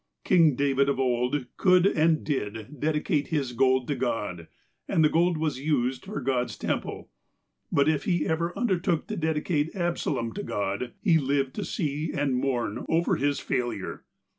King David of old could, and did, dedicate his gold to God, and the gold was used for God's temple, but, if he ever undertook to dedicate Absalom to God, he lived to see and mourn over his failure.